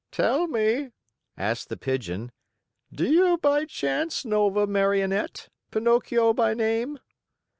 "Tell me," asked the Pigeon, "do you by chance know of a Marionette, Pinocchio by name?"